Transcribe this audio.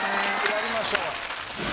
やりましょう。